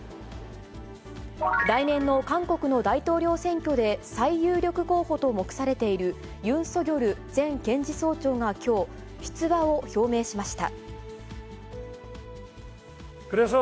来年の韓国の大統領選挙で最有力候補と目されている、ユン・ソギョル前検事総長がきょう、出馬を表明しました。